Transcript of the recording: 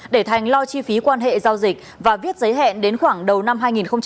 để thành lo chi phí quan hệ giao dịch và viết giấy hẹn đến khoảng đầu năm hai nghìn hai mươi